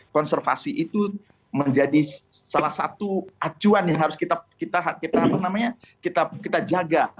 konservasi itu menjadi salah satu acuan yang harus kita jaga